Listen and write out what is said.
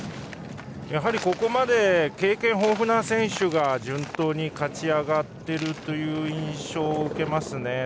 やはり、ここまで経験豊富な選手が順当に勝ち上がっている印象を受けますね。